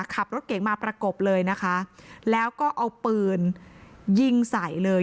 ขับรถเก่งมาประกบเลยนะคะแล้วก็เอาปืนยิงใส่เลย